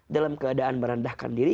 dalam keadaan merendahkan diri